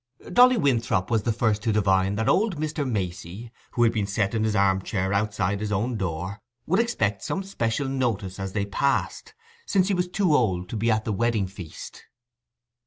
Dolly Winthrop was the first to divine that old Mr. Macey, who had been set in his arm chair outside his own door, would expect some special notice as they passed, since he was too old to be at the wedding feast.